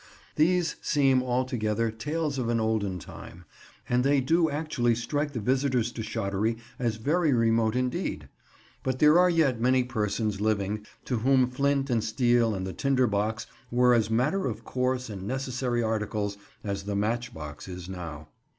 These seem altogether tales of an olden time, and they do actually strike the visitors to Shottery as very remote indeed; but there are yet many persons living to whom flint and steel and the tinder box were as matter of course and necessary articles as the match box is now.